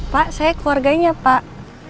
pak saya keluarganya pak